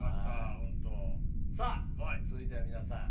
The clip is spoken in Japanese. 続いては、皆さん。